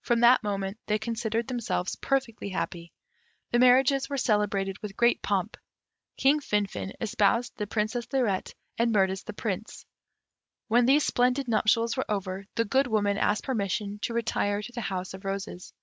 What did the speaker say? From that moment they considered themselves perfectly happy. The marriages were celebrated with great pomp. King Finfin espoused the Princess Lirette, and Mirtis the Prince. When these splendid nuptials were over, the Good Woman asked permission to retire to the House of Roses.